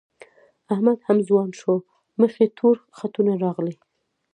احمد هم ځوان شو، مخ یې تور خطونه راغلي